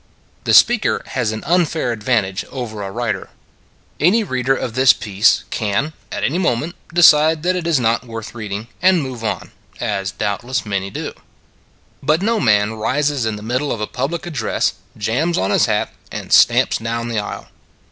The speaker has an unfair advantage over a writer. Any reader of this piece can, at any mo ment, decide that it is not worth reading, and move on (as doubtless many do), in 112 It s a Good Old World But no man rises in the middle of a pub lic address, jams on his hat and stamps down the aisle.